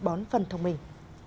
bón phân thông minh